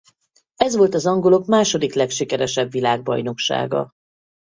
Ez volt az angolok második legsikeresebb világbajnoksága.